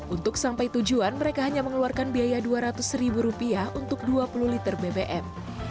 untuk sampai tujuan mereka hanya mengeluarkan biaya dua ratus ribu rupiah untuk dua puluh liter bbm